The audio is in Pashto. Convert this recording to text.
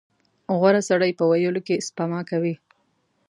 • غوره سړی په ویلو کې سپما کوي.